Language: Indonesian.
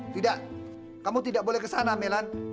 tidak kamu tidak boleh ke sana mellan